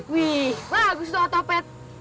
wih bagus tuh otopet